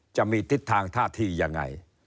จะมีทิศทางท่าทียังไง